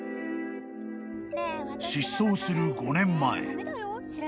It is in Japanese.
［失踪する５年前］